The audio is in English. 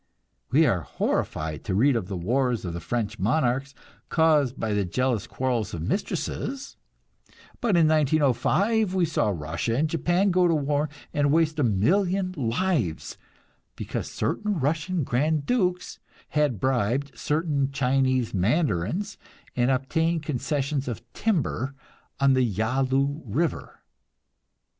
We are horrified to read of the wars of the French monarchs, caused by the jealous quarrels of mistresses; but in 1905 we saw Russia and Japan go to war and waste a million lives because certain Russian grand dukes had bribed certain Chinese mandarins and obtained concessions of timber on the Yalu River.